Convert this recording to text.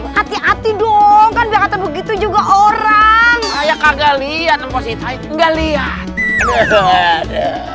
hati hati dong kan begitu juga orang kayak agak lihat enggak lihat